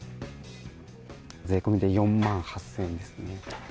税込みで４万８０００円です